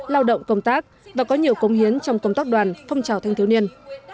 lao động công tác và có nhiều công hiến trong công tác đoàn phong trào thanh thiếu niên